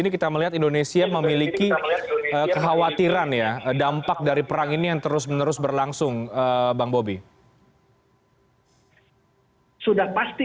indonesia memiliki informasi tersebut